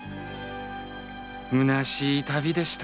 虚しい旅でした。